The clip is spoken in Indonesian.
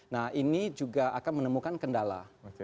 nah ini juga akan menemukan kendala